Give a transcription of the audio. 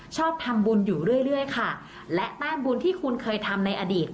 ชอบทำบุญอยู่เรื่อยเรื่อยค่ะและแต้มบุญที่คุณเคยทำในอดีต